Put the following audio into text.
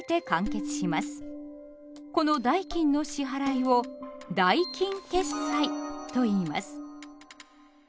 この代金の支払いを「代金決済」といいます。